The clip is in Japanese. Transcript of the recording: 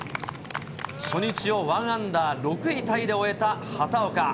初日を１アンダー６位タイで終えた畑岡。